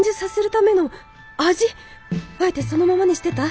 あえてそのままにしてた！？